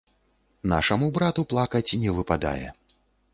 Нашаму брату плакаць не выпадае.